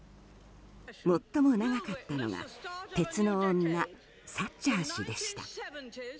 最も長かったのが鉄の女、サッチャー氏でした。